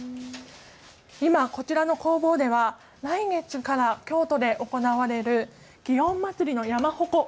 今、こちらの工房では来月から京都で行われる祇園祭の山ほこ。